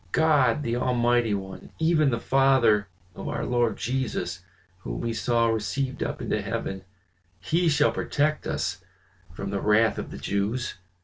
God, the Almighty One, even the Father of our Lord Jesus, whom we saw received up into heaven, he shall protect us from the wrath of the Jews."